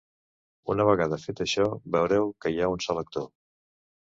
Una vegada fet això, veureu que hi ha un selector.